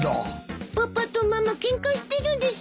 パパとママケンカしてるです。